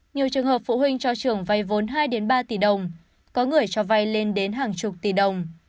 nhiều trường hợp phụ huynh cho trường vay vốn hai ba tỷ đồng có người cho vay lên đến hàng chục tỷ đồng